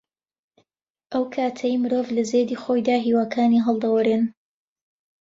ئەو کاتەی مرۆڤ لە زێدی خۆیدا هیواکانی هەڵدەوەرێن